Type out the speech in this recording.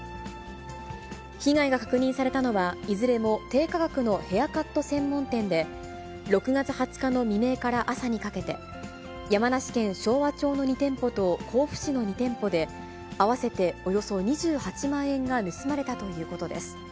被害が確認されたのは、いずれも低価格のヘアカット専門店で、６月２０日の未明から朝にかけて、山梨県昭和町の２店舗と甲府市の２店舗で、合わせておよそ２８万円が盗まれたということです。